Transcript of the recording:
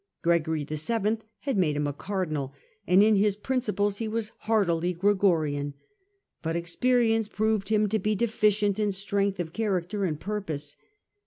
Gregory VII. Bainerios ^^ made him a cardinal, and in his principles (pi2^in.T ^®^^ heartily Gregorian, but experience ^^ proved him to be deficient in strength of character and purpose.